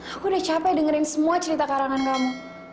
aku udah capek dengerin semua cerita karangan kamu